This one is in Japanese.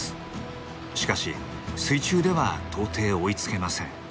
しかし水中では到底追いつけません。